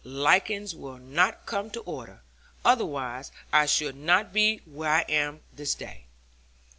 Likings will not come to order; otherwise I should not be where I am this day.